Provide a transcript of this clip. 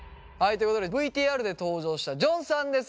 ということでＶＴＲで登場したジョンさんです！